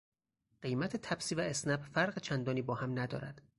قیمت تپسی و اسنپ فرق چندانی با هم ندارد.